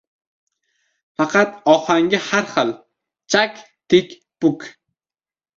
Faqat ohangi har xil: «chak-tik-puk...»